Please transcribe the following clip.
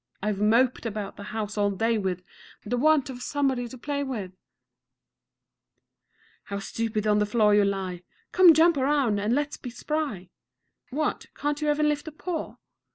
I've moped about the house all day with The want of somebody to play with. 2. How stupid on the floor you lie! Come, jump about, and let's be spry. What, can't you even lift a paw?